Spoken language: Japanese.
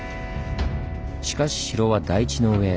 しかし城は台地の上。